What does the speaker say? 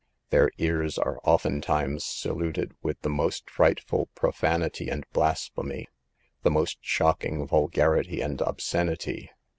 Their ears are oftentimes saluted with the most frightful profanity and blasphemy, the most shocking vulgarity and obscenity.